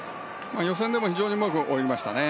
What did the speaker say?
予選でも非常にうまく泳ぎましたよね。